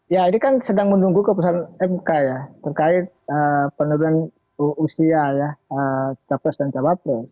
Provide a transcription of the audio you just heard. ya ini kan sedang menunggu keputusan mk ya terkait penurunan usia ya capres dan cawapres